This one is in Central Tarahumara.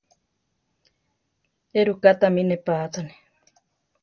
Éruká tamí nepátzaane?